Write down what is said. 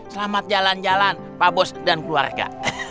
selamat jalan jalan pak bos dan keluarga